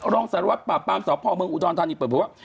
รองสารวัตรปราบปรามสอบพ่อเมืองอุดรณ์ท่านนี้เปิดหัว